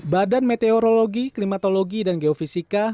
badan meteorologi klimatologi dan geofisika